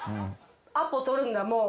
アポ取るんだもう。